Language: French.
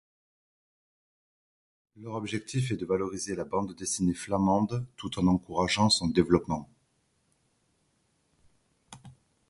Leur objectif est de valoriser la bande dessinée flamande tout en encourageant son développement.